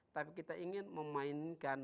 tapi kita ingin memainkan